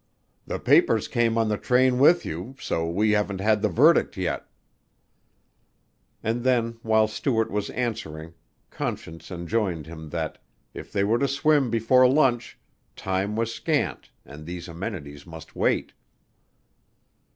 "The papers came on the train with you, so we haven't had the verdict, yet." And then while Stuart was answering Conscience enjoined him that, if they were to swim before lunch, time was scant and these amenities must wait.